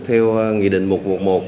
theo nghiệp của các đối tượng này